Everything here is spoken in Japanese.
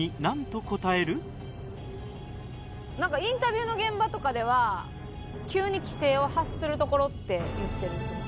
なんかインタビューの現場とかでは「急に奇声を発するところ」って言ってるいつも。